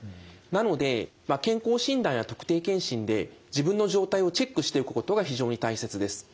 なので健康診断や特定健診で自分の状態をチェックしておくことが非常に大切です。